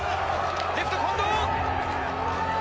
レフト、近藤！